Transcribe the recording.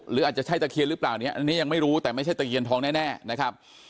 หรืออาจจะใช่ตะเคียนหรือเปล่าเนี่ยอันนี้ยังไม่รู้แต่ไม่ใช่ตะเคียนทองแน่นะครับ